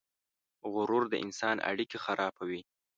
غرور د انسان اړیکې خرابوي.